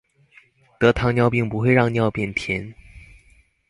得糖尿病不會讓尿變甜